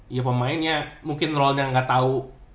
ya pemainnya mungkin role nya ga tau